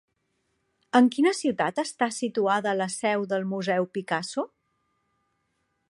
En quina ciutat està situada la seu del Museu Picasso?